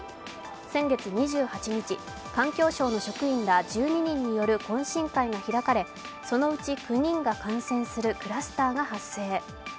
先月２８日、環境省の職員ら１２人による懇親会が開かれ、そのうち９人が感染するクラスターが発生。